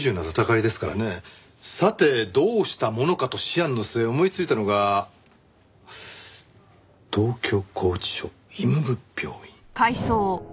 さてどうしたものかと思案の末思いついたのが東京拘置所医務部病院。